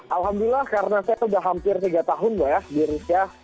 alhamdulillah karena saya sudah hampir tiga tahun loh ya di rusia